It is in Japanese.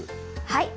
はい。